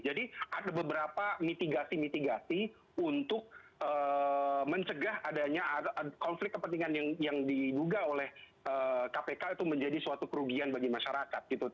jadi ada beberapa mitigasi mitigasi untuk mencegah adanya konflik kepentingan yang diduga oleh kpk itu menjadi suatu kerugian bagi masyarakat